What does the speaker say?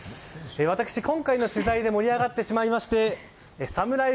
私、今回の取材で盛り上がってしまいましてサムライ